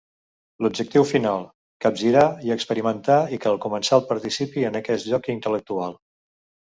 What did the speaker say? L'objectiu final: capgirar i experimentar i que el comensal participi en aquest joc intel·lectual.